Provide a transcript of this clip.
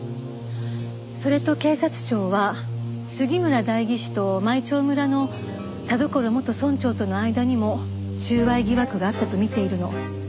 それと警察庁は杉村代議士と舞澄村の田所元村長との間にも収賄疑惑があったと見ているの。